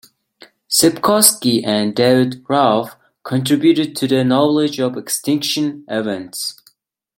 Sepkoski and David Raup contributed to the knowledge of extinction events.